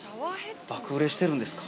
◆爆売れしてるんですか。